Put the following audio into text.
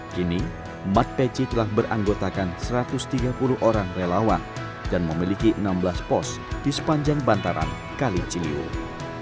kini mat peci telah beranggotakan satu ratus tiga puluh orang relawan dan memiliki enam belas pos di sepanjang bantaran kali ciliwung